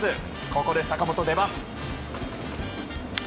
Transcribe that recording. ここで坂本、出番。